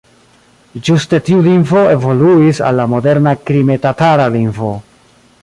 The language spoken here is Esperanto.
Ĝuste tiu lingvo evoluis al la moderna krime-tatara lingvo.